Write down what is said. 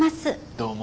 どうも。